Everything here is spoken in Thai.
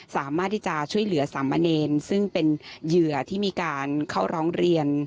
สามารถที่จะช่วยเหลือสามเณรซึ่งเป็นเหยื่อที่มีการเข้าร้องเรียน